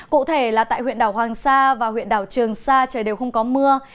cụ thể là tại huyện đảo hoàng sa và huyện đảo trường sa trời đều không có mưa